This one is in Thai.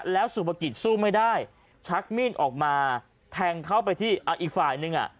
แล้วสุปกิจสู้ไม่ได้ชักมีดออกมาแทงเข้าไปที่อีกฝ่ายนึงอ่ะ